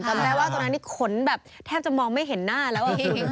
จำได้ว่าตรงนั้นนี่ขนแบบแทบจะมองไม่เห็นหน้าแล้ว